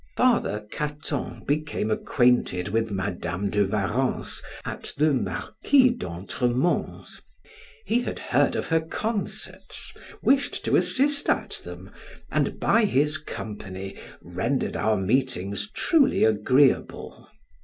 Father Cato became acquainted with Madam de Warrens at the Marquis of Antremont's; he had heard of her concerts, wished to assist at them, and by his company rendered our meetings truly agreeable.